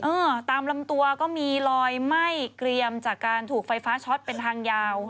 เออตามลำตัวก็มีรอยไหม้เกรียมจากการถูกไฟฟ้าช็อตเป็นทางยาว